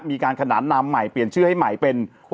ขนานนามใหม่เปลี่ยนชื่อให้ใหม่เป็น